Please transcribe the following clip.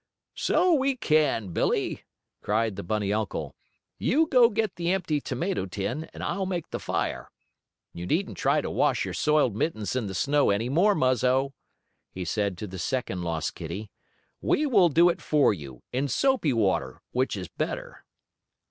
"So we can, Billie!" cried the bunny uncle. "You go get the empty tomato tin and I'll make the fire. You needn't try to wash your soiled mittens in the snow any more, Muzzo," he said to the second lost kittie. "We will do it for you, in soapy water, which is better."